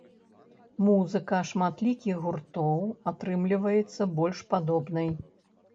Музыка шматлікіх гуртоў атрымліваецца больш падобнай.